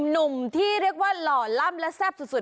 หนุ่มที่เรียกว่าหล่อล่ำและแซ่บสุด